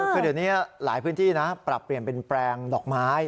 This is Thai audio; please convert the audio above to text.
คือเดี๋ยวนี้หลายพื้นที่นะปรับเปลี่ยนเป็นแปลงดอกไม้